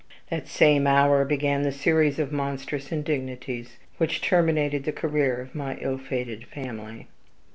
That same hour began the series of monstrous indignities which terminated the career of my ill fated family.